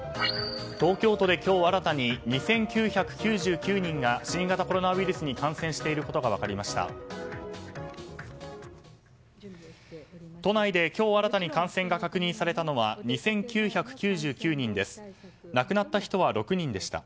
東京都で今日新たに２９９９人が新型コロナウイルスに感染していることが分かりました。